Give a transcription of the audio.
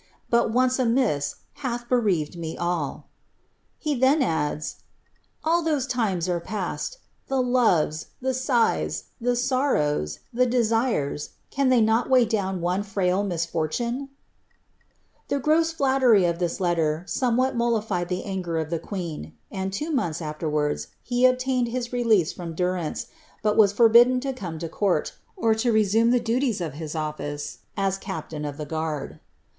But once amiss, hath bereaved me IL" He then adds, ^ all those times are past ; the loves, the sighs, sorrows, the desires, can they not weigh down one frail misfortune P lie gross flattery of this letter somewhat mollified the anger of the m, and, two months afterwards, he obtained hia release from dn «, but was forbidden to come to court, or to resume the duties of office, as captain of the guard.'